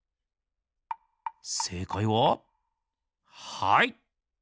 せいかいははい！